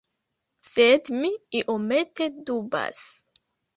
Sed mi iomete dubas.